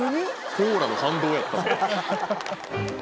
コーラの感動やったんだ。